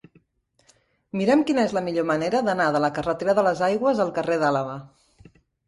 Mira'm quina és la millor manera d'anar de la carretera de les Aigües al carrer d'Àlaba.